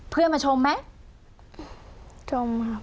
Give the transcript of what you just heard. เพื่อนมาชมไหม